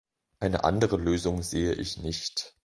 Eine andere Lösung sehe ich nicht.